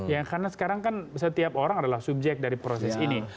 ya karena sekarang kan setiap orang adalah subjek dari proses ini